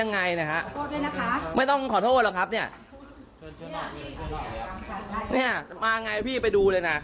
เนี่ยมาไงพี่ไปดูเลยนะ